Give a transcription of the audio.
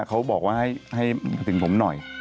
เขาบอกว่าให้ติดผมหน่อย